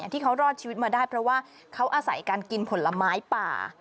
ที่เขารอดชีวิตมาได้เพราะว่าเขาอาศัยการกินผลไม้ป่า